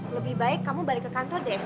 lebih baik kamu balik ke kantor deh